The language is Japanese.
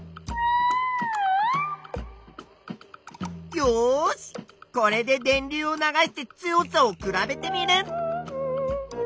よしこれで電流を流して強さを比べテミルン！